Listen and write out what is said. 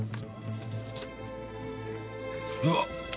うわっ。